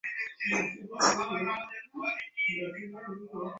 ব্যাটারিগুলো মাটিতে পুঁতে দাও।